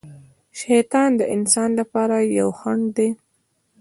شیطان د انسان لپاره یو خڼډ دی.